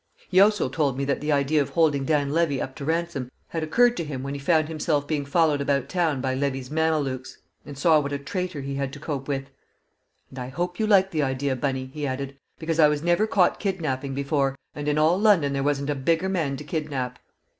He also told me that the idea of holding Dan Levy up to ransom had occurred to him when he found himself being followed about town by Levy's "mamelukes," and saw what a traitor he had to cope with. "And I hope you like the idea, Bunny," he added, "because I was never caught kidnapping before, and in all London there wasn't a bigger man to kidnap."